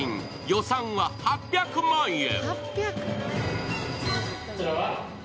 予算は８００万円。